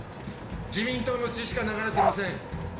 自民党の血しか流れてません！